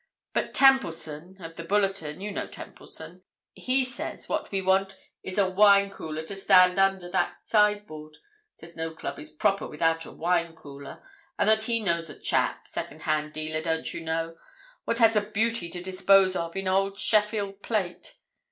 But Templeson, of the Bulletin—you know Templeson—he says what we want is a wine cooler to stand under that sideboard—says no club is proper without a wine cooler, and that he knows a chap—second hand dealer, don't you know—what has a beauty to dispose of in old Sheffield plate.